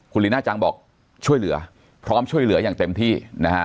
คุณลีน่าจังบอกช่วยเหลือพร้อมช่วยเหลืออย่างเต็มที่นะฮะ